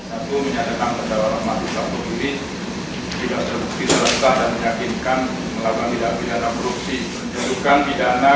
satu menyadarkan terdakwa rohmadi saptogiri tidak terbukti terasa dan menyakinkan melakukan pidana pidana korupsi